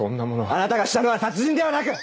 あなたがしたのは殺人ではなく！